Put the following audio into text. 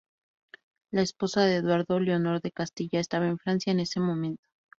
La esposa de Eduardo, Leonor de Castilla, estaba en Francia en ese momento.